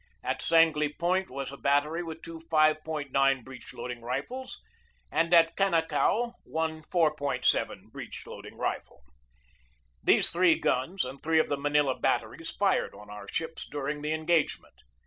At Sangley Point was a battery with two 5.9 breech loading rifles and at Canacao one 4.7 breech loading rifle. These three guns and three of the Manila batteries fired on our ships during the engagement.